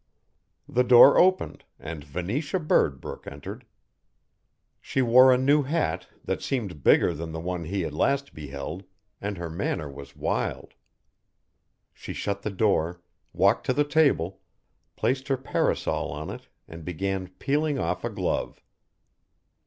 The door opened, and Venetia Birdbrook entered. She wore a new hat that seemed bigger than the one he had last beheld and her manner was wild. She shut the door, walked to the table, placed her parasol on it and began peeling off a glove.